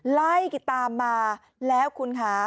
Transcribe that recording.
ไล่ติดตามมาแล้วคุณคะ